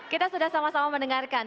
kita sudah sama sama mendengarkan